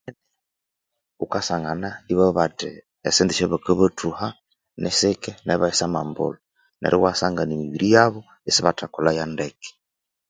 Ghukasanga ibabugha bathi esyosente esyabakabathuha nisike nebayisamambula neryo iwasangana emibiri yabo isibathakolhayo ndeke